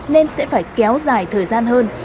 nên sẽ phải kéo dài thời gian hơn